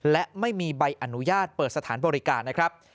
และไม่มีใบอนุญาตเปิดสถานบริการนะครับ